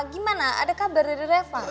gimana ada kabar dari reva